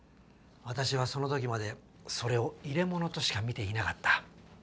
私はその時までそれをいれものとしか見ていなかった。